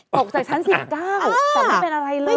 ตกจากชั้น๑๙แต่ไม่เป็นอะไรเลย